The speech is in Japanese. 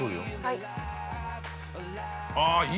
◆はい。